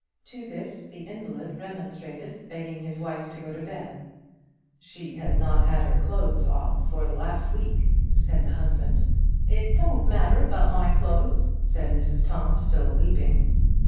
To this the invalid remonstrated, begging his wife to go to bed. "She has not had her clothes off for the last week," said the husband. "It don't matter about my clothes," said Mrs Tom, still weeping.